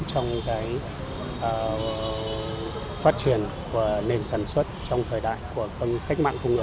trong phát triển của nền sản xuất trong thời đại của cách mạng công nghiệp bốn